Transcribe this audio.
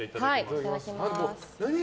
いただきます。